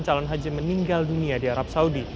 calon haji meninggal dunia di arab saudi